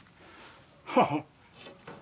ハハッ。